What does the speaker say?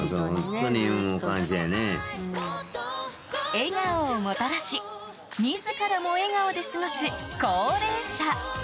笑顔をもたらし自らも笑顔で過ごす幸齢者。